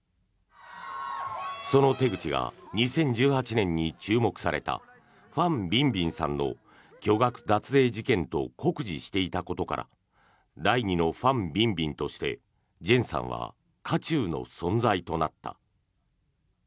その手口が２０１８年に注目されたファン・ビンビンさんの巨額脱税事件と酷似していたことから第２のファン・ビンビンとしてジェンさんは渦中の存在となった。